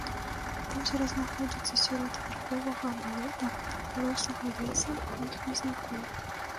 Возера знаходзіцца сярод вярховага балота, парослага лесам і хмызняком.